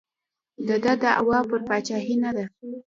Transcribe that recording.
د ده دعوا پر پاچاهۍ نه ده.